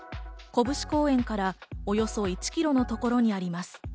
こぶし公園からおよそ１キロのところにあります。